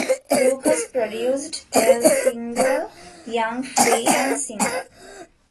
Lucas produced their single "Young Free and Single".